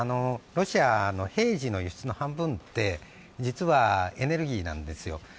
ロシアの平時の輸出の半分って実はエネルギーなんですよ。